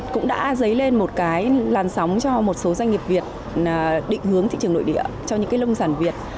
cũng đã dấy lên một cái làn sóng cho một số doanh nghiệp việt định hướng thị trường nội địa cho những cái nông sản việt